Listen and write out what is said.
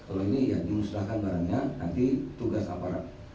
kalau ini ya dimusnahkan barangnya nanti tugas aparat